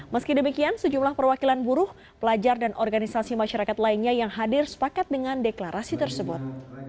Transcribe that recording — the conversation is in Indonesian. meski demikian sejumlah perwakilan buruh pelajar dan organisasi masyarakat lainnya yang hadir sepakat dengan deklarasi tersebut